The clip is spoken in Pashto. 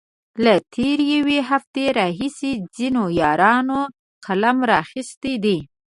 له تېرې يوې هفتې راهيسې ځينو يارانو قلم را اخستی دی.